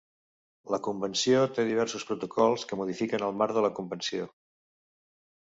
La convenció té diversos protocols que modifiquen el marc de la convenció.